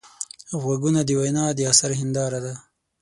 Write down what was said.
غوږونه د وینا د اثر هنداره ده